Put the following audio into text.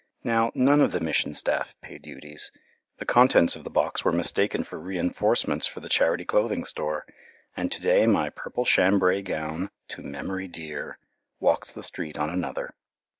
Now, none of the Mission staff pay duties. The contents of the box were mistaken for reinforcements for the charity clothing store, and to day my purple chambray gown, "to memory dear," walks the street on another.